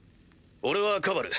俺はカバル